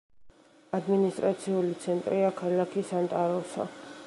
ადმინისტრაციული ცენტრია ქალაქი სანტა-როსა.